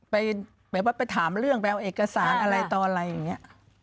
ไปแบบว่าไปถามเรื่องไปเอาเอกสารอะไรต่ออะไรอย่างนี้